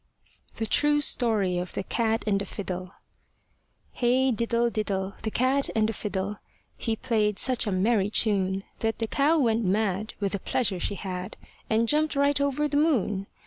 THE TRUE STORY OF THE CAT AND THE FIDDLE Hey, diddle, diddle! The cat and the fiddle! He played such a merry tune, That the cow went mad With the pleasure she had, And jumped right over the moon.